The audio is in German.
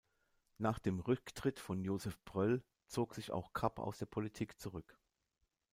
Nach dem Rücktritt von Josef Pröll zog sich auch Kapp aus der Politik zurück.